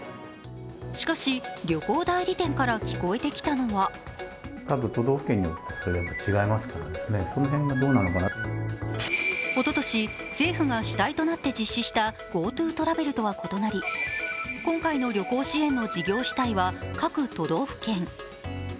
しかし旅行代理店から聞こえてきたのはおととし、政府が主体となって実施したＧｏＴｏトラベルとは異なり今回の旅行支援の事業主体は各都道府県。